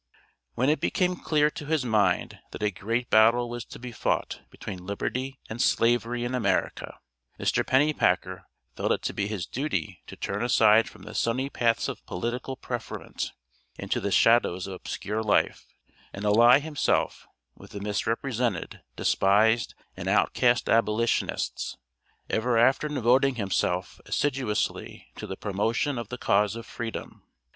When it became clear to his mind, that a great battle was to be fought between Liberty and Slavery in America, Mr. Pennypacker felt it to be his duty to turn aside from the sunny paths of political preferment, into the shadows of obscure life, and ally himself with the misrepresented, despised and outcast Abolitionists, ever after devoting himself assiduously to the promotion of the cause of Freedom.